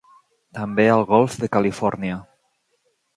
També al Golf de Califòrnia.